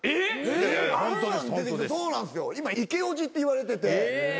今イケおじって言われてて。